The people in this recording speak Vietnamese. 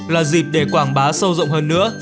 là dịp để quảng bá sâu rộng hơn nữa